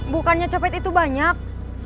bukannya copet itu banyak